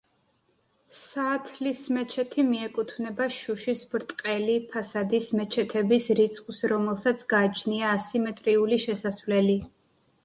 საათლის მეჩეთი მიეკუთვნება შუშის ბრტყელი ფასადის მეჩეთების რიცხვს, რომელსაც გააჩნია ასიმეტრიული შესასვლელი.